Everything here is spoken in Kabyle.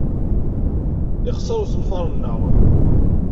Yexṣer usenfar-nneɣ.